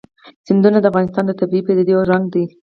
سیندونه د افغانستان د طبیعي پدیدو یو رنګ دی.